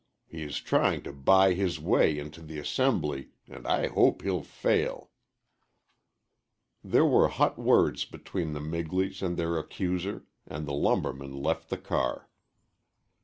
He is trying to buy his way into the Assembly, and I hope he'll fail." There were hot words between the Migleys and their accuser, until the lumbermen left the car.